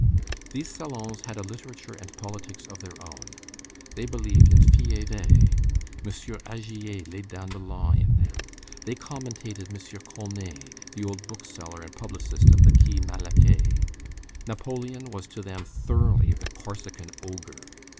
These salons had a literature and politics of their own. They believed in Fiévée. M. Agier laid down the law in them. They commentated M. Colnet, the old bookseller and publicist of the Quay Malaquais. Napoleon was to them thoroughly the Corsican Ogre.